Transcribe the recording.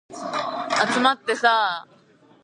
The ruins of two small shrines flank the entrance stairway.